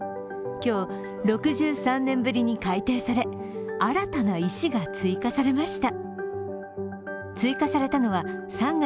今日、６３年ぶりに改定され、新たな石が追加されました。